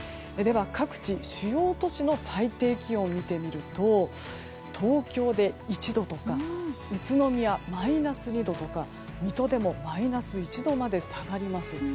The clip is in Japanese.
では各地、主要都市の最低気温を見てみると東京で１度とか宇都宮、マイナス２度とか水戸でもマイナス１度まで下がります。